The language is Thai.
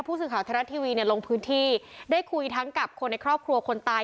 ผู้สื่อข่าวไทยรัฐทีวีเนี่ยลงพื้นที่ได้คุยทั้งกับคนในครอบครัวคนตาย